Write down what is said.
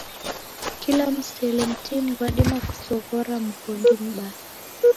Kila msele mtini ghwadima kusoghora mghondi mbaa.